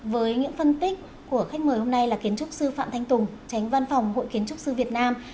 với những phân tích của khách mời hôm nay là kiến trúc sư phạm thanh tùng tránh văn phòng hội kiến trúc sư việt nam